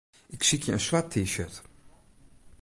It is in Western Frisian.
Ik sykje in swart T-shirt.